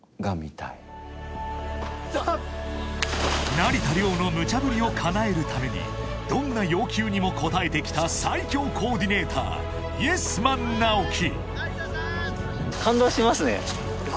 ［成田凌のムチャぶりをかなえるためにどんな要求にも応えてきた最強コーディネーターイエスマン直樹］